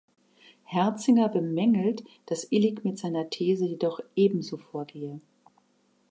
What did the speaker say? Herzinger bemängelt, dass Illig mit seiner These jedoch ebenso vorgehe.